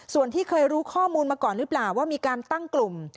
ส่วนที่เคยรู้ข้อมูลมาก่อนหรือเปล่าว่ามีการตั้งกลุ่ม